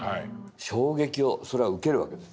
衝撃をそれは受けるわけです。